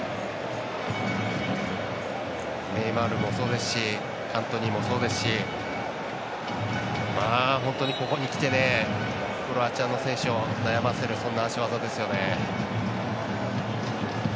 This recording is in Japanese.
ネイマールもそうですしアントニーもそうですしまあ、本当に、ここにきてねクロアチアの選手を悩ませるそんな足技ですよね。